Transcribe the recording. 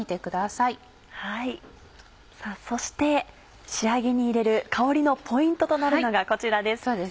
さぁそして仕上げに入れる香りのポイントとなるのがこちらです。